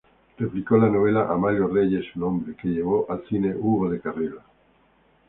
Publicó la novela "Amalio Reyes un hombre", que llevó al cine Hugo del Carril.